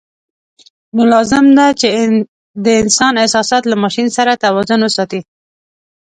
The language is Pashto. نو لازم ده چې د انسان احساسات له ماشین سره توازن وساتي.